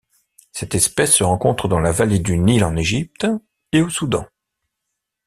Cette espèce se rencontre dans la vallée du Nil en Égypte et au Soudan.